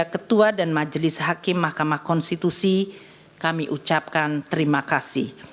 ketua dan majelis hakim mahkamah konstitusi kami ucapkan terima kasih